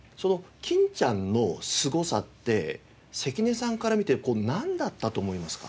欽ちゃんのすごさって関根さんから見てなんだったと思いますか？